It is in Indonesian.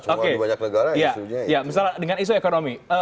semua lebih banyak negara isunya